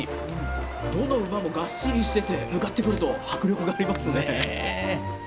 どの馬もがっしりしてて、向かってくると迫力がありますね。